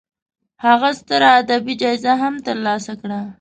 هغه ستره ادبي جایزه هم تر لاسه کړه.